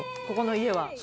ここの家は。